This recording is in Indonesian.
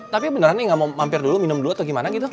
tapi beneran nih nggak mau mampir dulu minum dulu atau gimana gitu